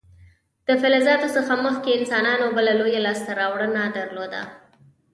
د فلزاتو څخه مخکې انسانانو بله لویه لاسته راوړنه درلوده.